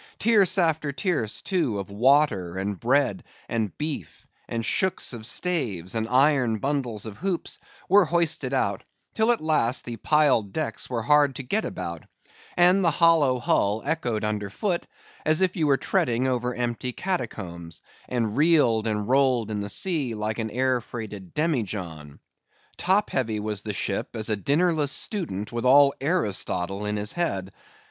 Tierce after tierce, too, of water, and bread, and beef, and shooks of staves, and iron bundles of hoops, were hoisted out, till at last the piled decks were hard to get about; and the hollow hull echoed under foot, as if you were treading over empty catacombs, and reeled and rolled in the sea like an air freighted demijohn. Top heavy was the ship as a dinnerless student with all Aristotle in his head.